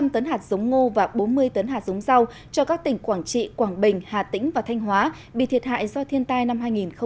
năm trăm linh tấn hạt sống ngô và bốn mươi tấn hạt sống rau cho các tỉnh quảng trị quảng bình hà tĩnh và thanh hóa bị thiệt hại do thiên tai năm hai nghìn hai mươi